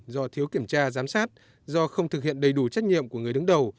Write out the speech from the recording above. do thiếu kiểm tra giám sát do không thực hiện đầy đủ trách nhiệm của người đứng đầu